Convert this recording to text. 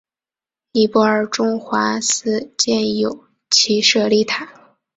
尼泊尔中华寺建有其舍利塔。